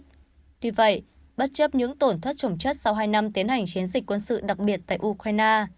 tuy vậy bất chấp những tổn thất trồng chất sau hai năm tiến hành chiến dịch quân sự đặc biệt tại ukraine